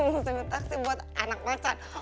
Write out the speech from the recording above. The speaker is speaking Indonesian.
pesenin taksi buat anak pacar